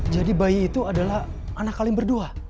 jadi bayi itu adalah anak kalian berdua